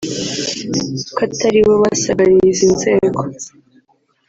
ko atari bo basagariye izi nzego